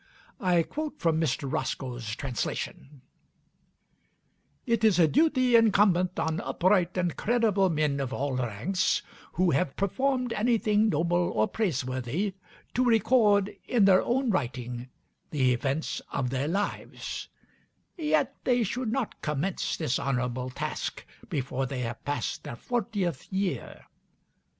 I quote from Mr. Roscoe's translation: "It is a duty incumbent on upright and credible men of all ranks, who have performed anything noble or praiseworthy, to record, in their own writing, the events of their lives; yet they should not commence this honorable task before they have passed their fortieth year.